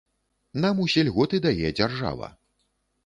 Нам усе льготы дае дзяржава.